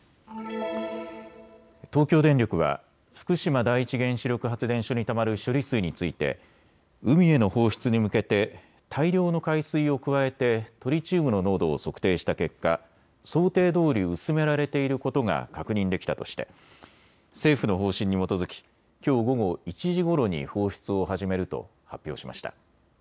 東京電力は福島第一原子力発電所にたまる処理水について海への放出に向けて大量の海水を加えてトリチウムの濃度を測定した結果、想定どおり薄められていることが確認できたとして政府の方針に基づき、きょう午後１時ごろに放出を始めると発表しました。